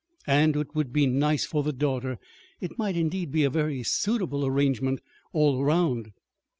And it would be nice for the daughter. It might, indeed, be a very suitable arrangement all around.